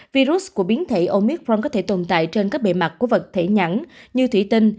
virus của biến thể omicron có thể tồn tại trên các bề mặt của vật thể nhãn như thủy tinh